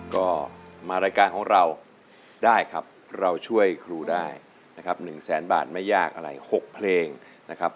ก็มารายการของเราได้ครับเราช่วยครูได้นะครับ๑แสนบาทไม่ยากอะไร๖เพลงนะครับ